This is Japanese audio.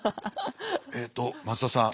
えっと松田さん